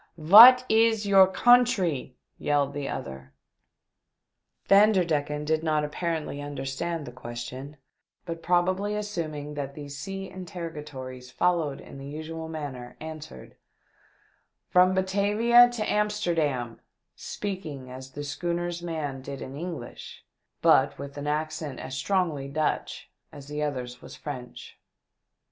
"Vhat ees your country?" yelled the other. THE DEATH SHIP IS BOARDED BY A PIRATE. 365 Vanderdecken did not apparently under stand the question, but probably assuming that these sea interrogatories followed in the usual manner, answered, "From Batavia to Amsterdam," speaking as the schooner's man did in English, but with an accent as strongly Dutch as the other's was French.